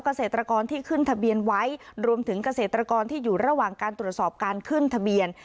เกษตรกรที่ขึ้นทะเบียนไว้รวมถึงเกษตรกรที่อยู่ระหว่างการตรวจสอบการขึ้นทะเบียน